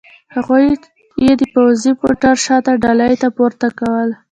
هغوی یې د پوځي موټر شاته ډالې ته پورته کول